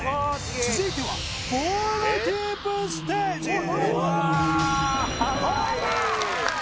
続いてはボール・キープステージへ！